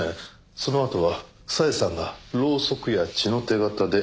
そのあとは小枝さんがろうそくや血の手形で演出した。